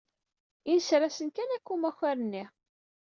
Inser-asen kan akka umakar-nni.